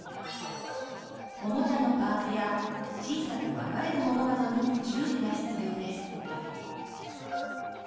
おもちゃのパーツや小さく分かれるものなどに注意が必要です。